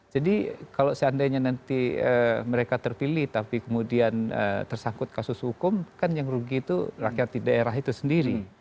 jadi kalau seandainya nanti mereka terpilih tapi kemudian tersangkut kasus hukum kan yang rugi itu rakyat daerah itu sendiri